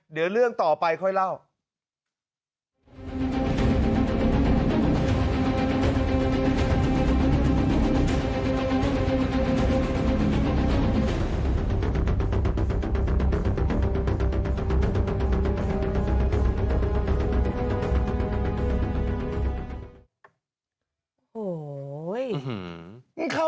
เดี๋ยวเรื่องต่อไปค่อยเล่า